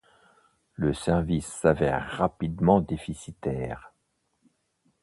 Le service s'avère rapidement déficitaire.